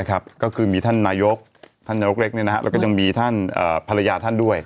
ก็คือมีท่านนายกท่านนายกเล็กแล้วก็ยังมีท่านภรรยาท่านด้วย